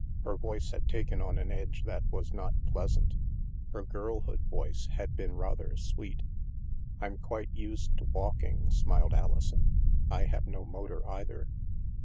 Her voice had taken on an edge that was not pleasant. Her girlhood voice had been rather sweet. " I'm quite used to walking," smiled Alison. " I have no motor, either."